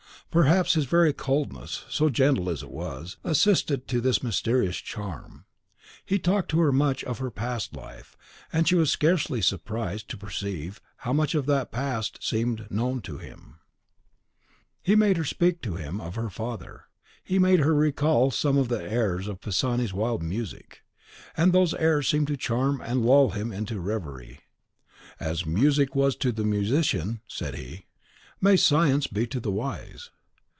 Perhaps his very coldness, so gentle as it was, assisted to this mysterious charm. He talked to her much of her past life, and she was scarcely surprised (she now never thought of TERROR) to perceive how much of that past seemed known to him. He made her speak to him of her father; he made her recall some of the airs of Pisani's wild music. And those airs seemed to charm and lull him into reverie. "As music was to the musician," said he, "may science be to the wise.